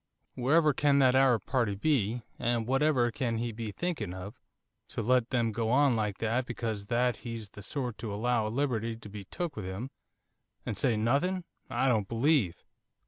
Wherever can that Arab party be, and whatever can he be thinking of, to let them go on like that because that he's the sort to allow a liberty to be took with him, and say nothing, I don't believe."